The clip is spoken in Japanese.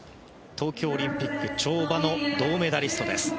東京オリンピック跳馬の銅メダリストです。